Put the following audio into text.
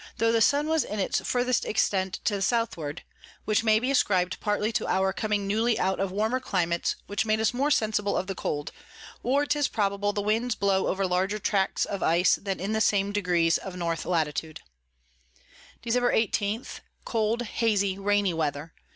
tho the Sun was in its furthest Extent to the Southward: which may be ascrib'd partly to our coming newly out of warmer Climates, which made us more sensible of the Cold; or 'tis probable the Winds blow over larger Tracts of Ice than in the same Degrees of N. Latitude. Dec. 18. Cold hazy rainy Weather.